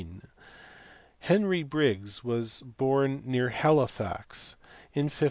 201). Henry Briggs* was born near Halifax in 1556.